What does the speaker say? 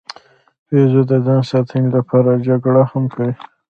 بیزو د ځان ساتنې لپاره جګړه هم کوي.